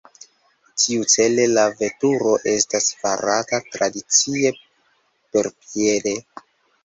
Tiucele la veturo estas farata tradicie perpiede.